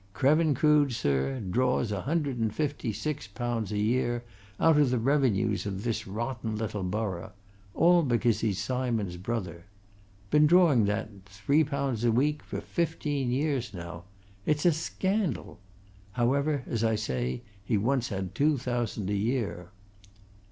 Krevin Crood, sir, draws a hundred and fifty six pounds a year out of the revenues of this rotten little borough all because he's Simon's brother. Been drawing that three pounds a week for fifteen years now. It's a scandal! However, as I say, he once had two thousand a year."